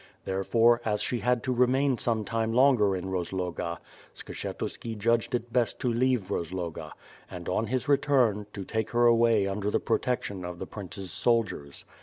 Therefore, as she had to remain ome time longer in Kozloga, Skshetuski judged it best to leave Rozloga, and on his return, to take her away under the protection of the prince's soldiers.